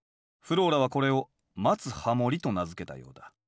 フローラはこれを「待つハモり」と名付けたようだ。